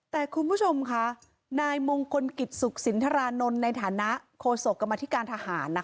แต่คุณผู้ชมค่ะนายมงคลกิจสุขสินทรานนท์ในฐานะโคศกกรรมธิการทหาร